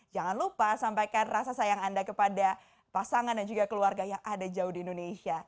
jangan lupa sampaikan rasa sayang anda kepada pasangan dan juga keluarga yang ada jauh di indonesia